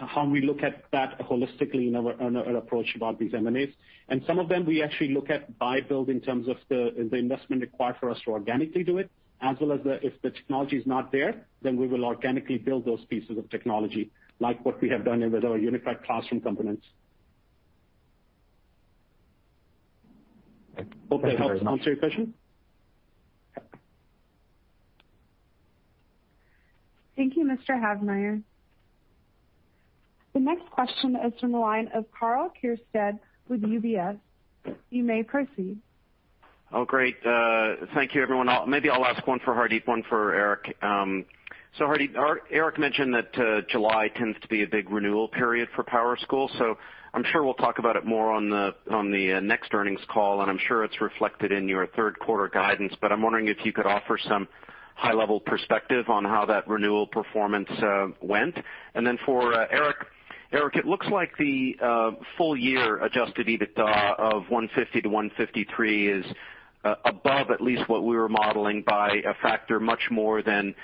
How we look at that holistically in our approach about these M&As, and some of them, we actually look at buy-build in terms of the investment required for us to organically do it, as well as if the technology is not there, then we will organically build those pieces of technology, like what we have done with our Unified Classroom components. Hope that helps answer your question. Thank you, Mr. Havemeyer. The next question is from the line of Karl Keirstead with UBS. You may proceed. Great. Thank you, everyone. Maybe I'll ask one for Hardeep, one for Eric. Hardeep, Eric mentioned that July tends to be a big renewal period for PowerSchool, so I'm sure we'll talk about it more on the next earnings call, and I'm sure it's reflected in your third quarter guidance. I'm wondering if you could offer some high-level perspective on how that renewal performance went. For Eric. Eric, it looks like the full year adjusted EBITDA of $150 to $153 is above at least what we were modeling by a factor much more than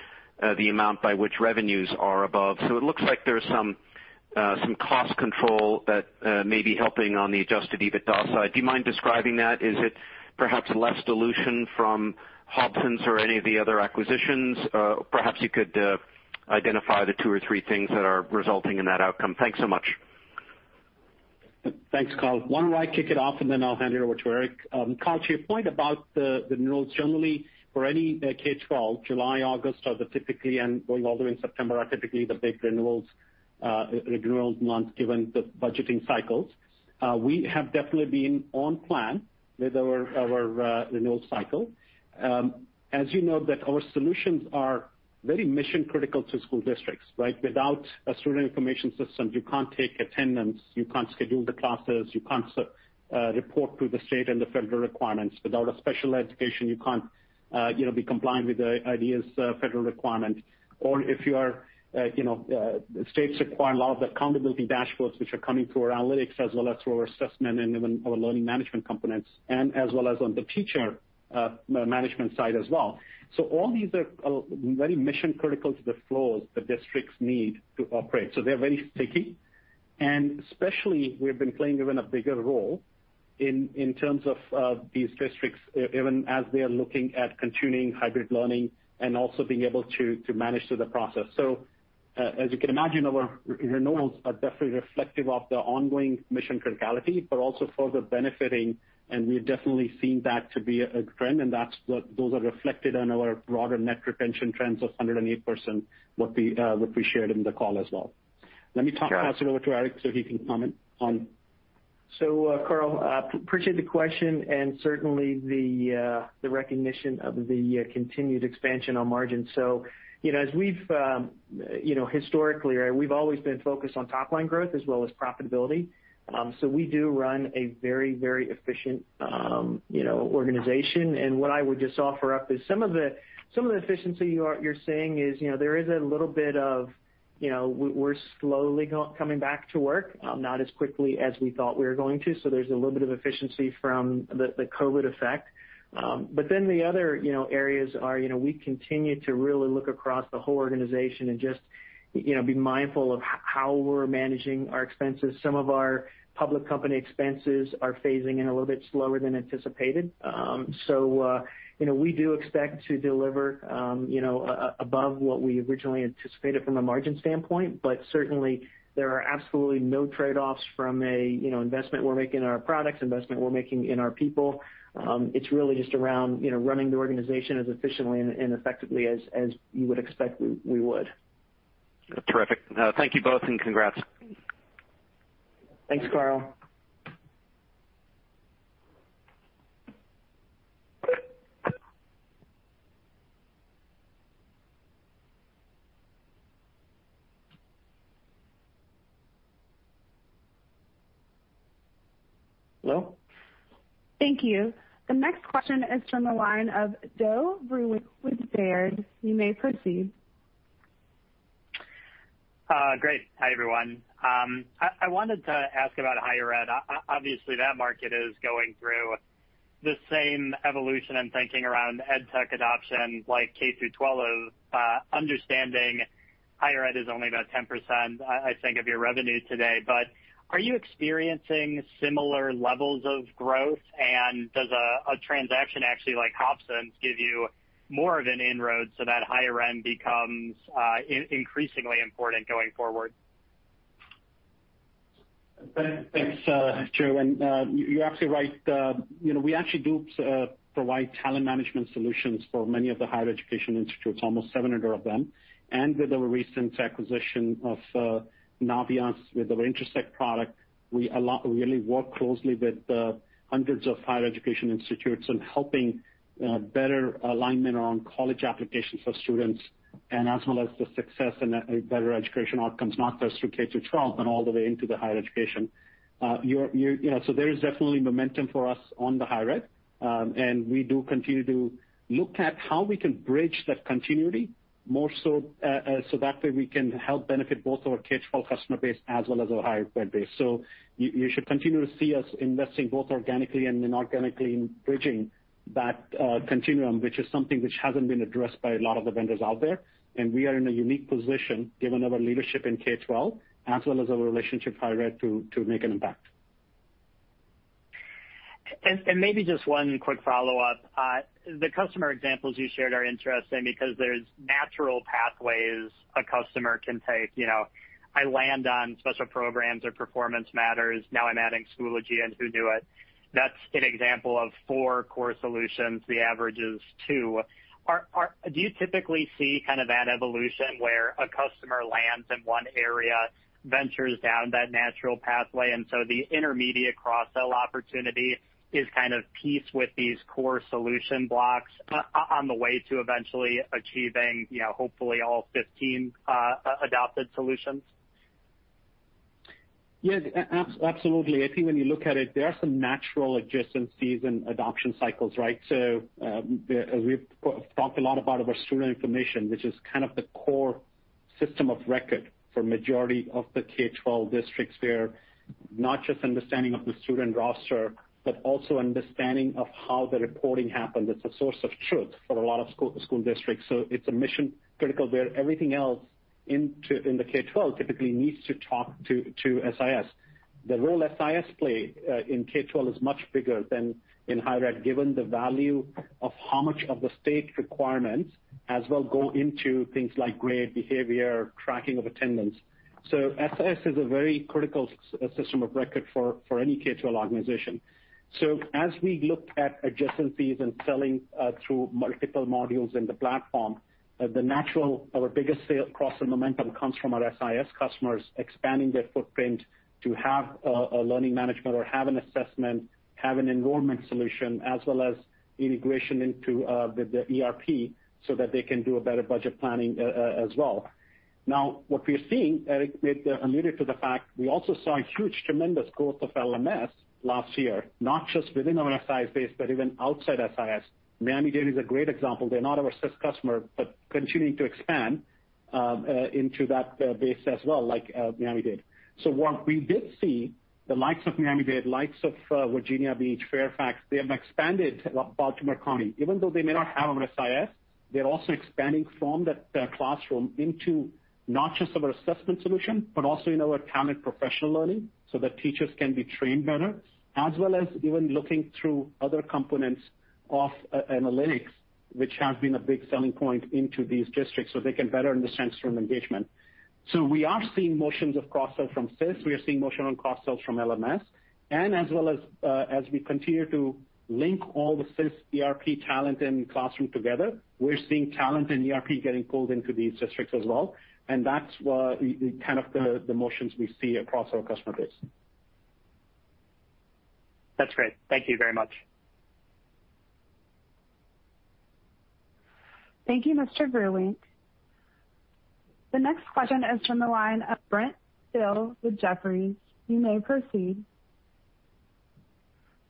the amount by which revenues are above. It looks like there's some cost control that may be helping on the adjusted EBITDA side. Do you mind describing that? Is it perhaps less dilution from Hobsons or any of the other acquisitions? Perhaps you could identify the two or three things that are resulting in that outcome. Thanks so much. Thanks, Karl. Why don't I kick it off, then I'll hand it over to Eric. Karl, to your point about the renewals, generally for any K-12, July, August are the typically, and going all the way in September, are typically the big renewals months, given the budgeting cycles. We have definitely been on plan with our renewal cycle. As you know that our solutions are very mission-critical to school districts, right? Without a student information system, you can't take attendance, you can't schedule the classes, you can't report to the state and the federal requirements. Without a special education, you can't be compliant with the IDEA's federal requirement. If states require a lot of the accountability dashboards, which are coming through our analytics as well as through our assessment and even our learning management components, and as well as on the teacher management side as well. All these are very mission-critical to the flows the districts need to operate. They're very sticky, and especially we've been playing even a bigger role in terms of these districts, even as they are looking at continuing hybrid learning and also being able to manage through the process. As you can imagine, our renewals are definitely reflective of the ongoing mission criticality, but also further benefiting, and we've definitely seen that to be a trend, and those are reflected on our broader net retention trends of 108%, what we shared in the call as well. Let me toss it over to Eric so he can comment on. Karl, appreciate the question and certainly the recognition of the continued expansion on margin. Historically, we've always been focused on top-line growth as well as profitability. We do run a very efficient organization. What I would just offer up is some of the efficiency you're seeing is there is a little bit of, we're slowly coming back to work, not as quickly as we thought we were going to. There's a little bit of efficiency from the COVID effect. The other areas are we continue to really look across the whole organization and just be mindful of how we're managing our expenses. Some of our public company expenses are phasing in a little bit slower than anticipated. We do expect to deliver above what we originally anticipated from a margin standpoint. Certainly, there are absolutely no trade-offs from a investment we're making in our products, investment we're making in our people. It's really just around running the organization as efficiently and effectively as you would expect we would. Terrific. Thank you both, and congrats. Thanks, Karl. Hello? Thank you. The next question is from the line of Joe Vruwink with Baird. You may proceed. Great. Hi, everyone. I wanted to ask about higher ed. Obviously, that market is going through the same evolution and thinking around EdTech adoption, like K-12 is. Higher ed is only about 10%, I think, of your revenue today. Are you experiencing similar levels of growth? Does a transaction actually like Hobsons give you more of an inroad so that higher ed becomes increasingly important going forward? Thanks, Joe. You're absolutely right. We actually do provide talent management solutions for many of the higher education institutes, almost 700 of them. With our recent acquisition of Naviance, with our Intersect product, we really work closely with hundreds of higher education institutes in helping better alignment around college applications for students and as well as the success and better education outcomes, not just through K-12, but all the way into the higher education. There is definitely momentum for us on the higher ed. We do continue to look at how we can bridge that continuity more so that way we can help benefit both our K-12 customer base as well as our higher ed base. You should continue to see us investing both organically and inorganically in bridging that continuum, which is something which hasn't been addressed by a lot of the vendors out there. We are in a unique position, given our leadership in K-12, as well as our relationship with higher ed, to make an impact. Maybe just one quick follow-up. The customer examples you shared are interesting because there's natural pathways a customer can take. I land on Special Programs or Performance Matters. Now I'm adding Schoology and Hoonuit. That's an example of four core solutions. The average is two. Do you typically see that evolution where a customer lands in one area, ventures down that natural pathway, the intermediate cross-sell opportunity is pieced with these core solution blocks on the way to eventually achieving hopefully all 15 adopted solutions? Yes, absolutely. I think when you look at it, there are some natural adjacencies and adoption cycles, right? We've talked a lot about our student information, which is the core system of record for majority of the K-12 districts. They're not just understanding of the student roster, but also understanding of how the reporting happens. It's a source of truth for a lot of school districts. It's mission critical where everything else in the K-12 typically needs to talk to SIS. The role SIS play in K-12 is much bigger than in higher ed, given the value of how much of the state requirements as well go into things like grade, behavior, tracking of attendance. SIS is a very critical system of record for any K-12 organization. As we look at adjacencies and selling through multiple modules in the platform, our biggest sales cross and momentum comes from our SIS customers expanding their footprint to have a learning management or have an assessment, have an enrollment solution, as well as integration into the ERP so that they can do a better budget planning as well. What we're seeing, Eric, alluded to the fact we also saw a huge, tremendous growth of LMS last year, not just within our SIS base, but even outside SIS. Miami-Dade is a great example. They're not our SIS customer, but continuing to expand into that base as well, like Miami-Dade. What we did see the likes of Miami-Dade, likes of Virginia Beach, Fairfax, they have expanded Baltimore County. Even though they may not have our SIS, they're also expanding from that classroom into not just our assessment solution, but also in our talent professional learning, so that teachers can be trained better, as well as even looking through other components of analytics, which has been a big selling point into these districts so they can better understand student engagement. We are seeing motions of cross-sell from SIS. We are seeing motion on cross-sells from LMS, and as well as we continue to link all the SIS ERP talent and classroom together, we're seeing talent and ERP getting pulled into these districts as well, and that's the kind of the motions we see across our customer base. That's great. Thank you very much. Thank you, Mr. Vruwink. The next question is from the line of Brent Thill with Jefferies. You may proceed.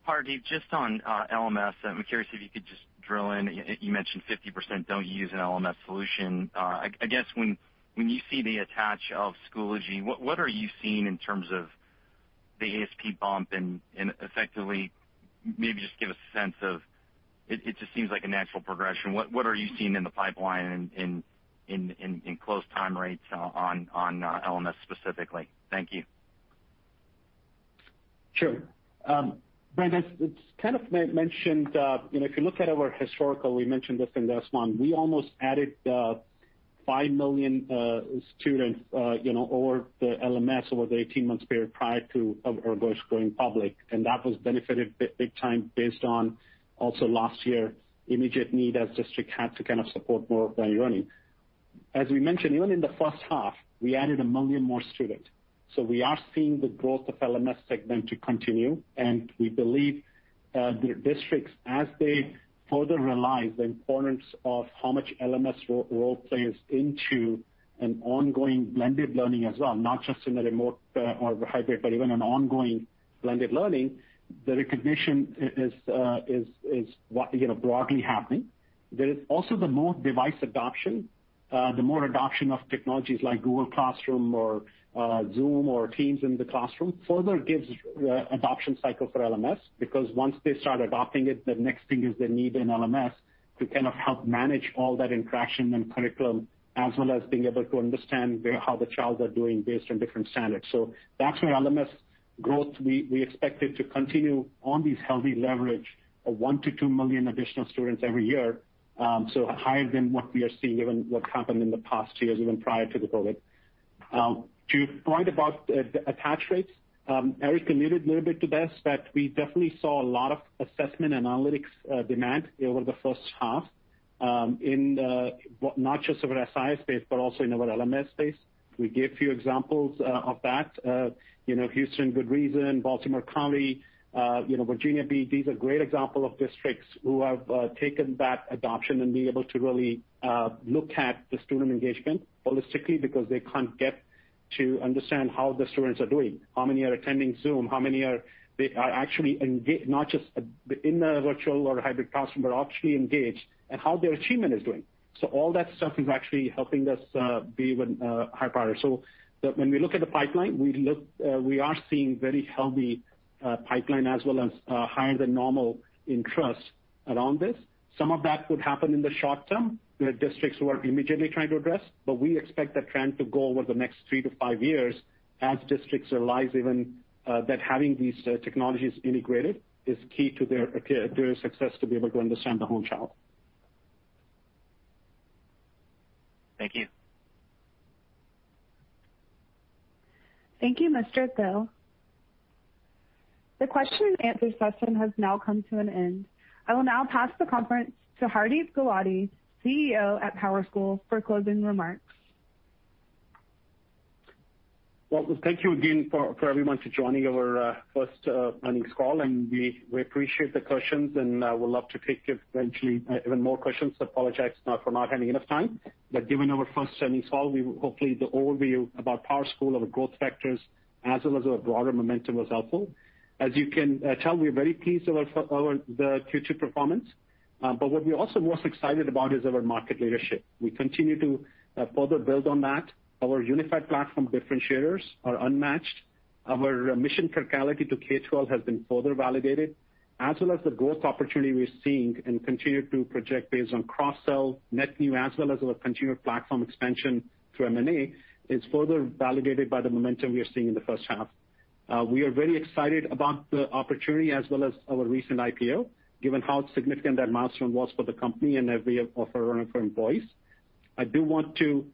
Hardeep, just on LMS, I'm curious if you could just drill in. You mentioned 50% don't use an LMS solution. I guess when you see the attach of Schoology, what are you seeing in terms of the ASP bump. It just seems like a natural progression. What are you seeing in the pipeline and in close time rates on LMS specifically? Thank you. Sure. Brent, as it's kind of mentioned, if you look at our historical, we mentioned this in last one, we almost added five million students over the LMS, over the 18 months period prior to us going public, and that was benefited big time based on also last year, immediate need as district had to support more of their learning. As we mentioned, even in the first half, we added one million more students. We are seeing the growth of LMS segment to continue, and we believe the districts, as they further realize the importance of how much LMS role plays into an ongoing blended learning as well, not just in a remote or hybrid, but even an ongoing blended learning, the recognition is broadly happening. There is also the more device adoption. The more adoption of technologies like Google Classroom or Zoom or Teams in the classroom further gives adoption cycle for LMS because once they start adopting it, the next thing is the need in LMS to help manage all that interaction and curriculum, as well as being able to understand how the childs are doing based on different standards. That's where LMS growth, we expect it to continue on this healthy leverage of one to two million additional students every year, so higher than what we are seeing, given what's happened in the past years, even prior to the COVID. To your point about the attach rates, Eric alluded a little bit to this, that we definitely saw a lot of assessment analytics demand over the first half in not just our SIS space, but also in our LMS space. We gave a few examples of that. Good Reason Houston, Baltimore County, Virginia, these are great example of districts who have taken that adoption and been able to really look at the student engagement holistically because they can't get to understand how the students are doing, how many are attending Zoom, how many are actually engaged, not just in a virtual or hybrid classroom, but actually engaged, and how their achievement is doing. All that stuff is actually helping us be even higher. When we look at the pipeline, we are seeing very healthy pipeline as well as higher than normal interest around this. Some of that could happen in the short term with districts who are immediately trying to address, but we expect that trend to go over the next three to five years as districts realize even that having these technologies integrated is key to their success to be able to understand the whole child. Thank you. Thank you, Mr. Thill. The question and answer session has now come to an end. I will now pass the conference to Hardeep Gulati, CEO at PowerSchool, for closing remarks. Well, thank you again for everyone to joining our first earnings call. We appreciate the questions, and would love to take eventually even more questions. Apologize for not having enough time. Given our first earnings call, hopefully the overview about PowerSchool, our growth factors, as well as our broader momentum was helpful. As you can tell, we're very pleased about the Q2 performance. What we're also most excited about is our market leadership. We continue to further build on that. Our Unified Platform differentiators are unmatched. Our mission criticality to K-12 has been further validated, as well as the growth opportunity we're seeing and continue to project based on cross-sell, net new, as well as our continued platform expansion through M&A is further validated by the momentum we are seeing in the first half. We are very excited about the opportunity as well as our recent IPO, given how significant that milestone was for the company and every one of our employees. I do want to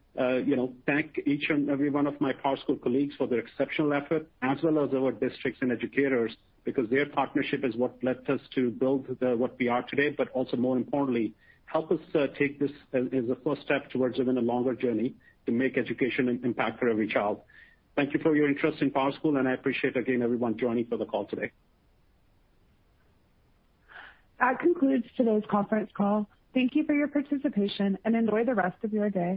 thank each and every one of my PowerSchool colleagues for their exceptional effort, as well as our districts and educators, because their partnership is what led us to build what we are today, but also more importantly, help us take this as a first step towards even a longer journey to make education impact for every child. Thank you for your interest in PowerSchool. I appreciate, again, everyone joining for the call today. That concludes today's conference call. Thank you for your participation, and enjoy the rest of your day.